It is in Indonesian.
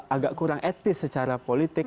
agak kurang etis secara politik